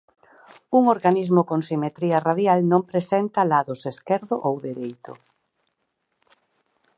Un organismo con simetría radial non presenta lados esquerdo ou dereito.